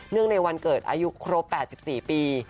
เนื่องในวันเกิดอายุครบ๘๔ปี